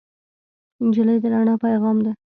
نجلۍ د رڼا پېغام ده.